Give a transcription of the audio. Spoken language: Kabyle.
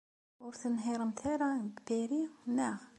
Ur tenhiṛemt ara deg Paris, naɣ?